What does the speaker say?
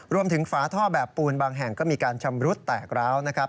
ฝาท่อแบบปูนบางแห่งก็มีการชำรุดแตกร้าวนะครับ